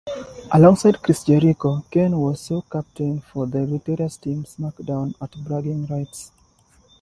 Alongside Chris Jericho, Kane was co-captain for the victorious Team SmackDown at Bragging Rights.